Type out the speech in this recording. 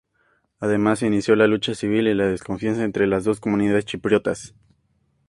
Además inició la lucha civil y la desconfianza entre las dos comunidades chipriotas.